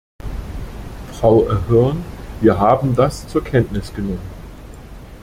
Frau Ahern, wir haben das zur Kenntnis genommen.